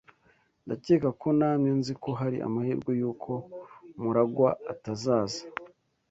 Ndakeka ko namye nzi ko hari amahirwe yuko MuragwA atazaza.